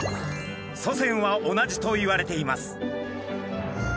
祖先は同じといわれています。